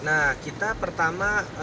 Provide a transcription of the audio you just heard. nah kita pertama